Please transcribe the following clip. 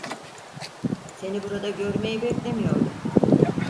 Seni burada görmeyi beklemiyordum.